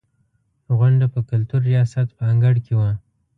غونډه په کلتور ریاست په انګړ کې وه.